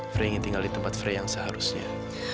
frey ingin tinggal di tempat frey yang seharusnya